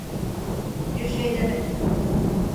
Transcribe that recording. Bir şey demedi.